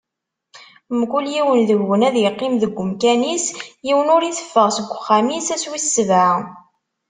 Mkul yiwen deg-wen ad iqqim deg umkan-is, yiwen ur itteffeɣ seg uxxam-is ass wis sebɛa.